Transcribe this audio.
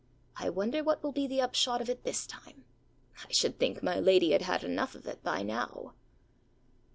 I wonder what will be the upshot of it this time. I should think my lady had enough of it by now!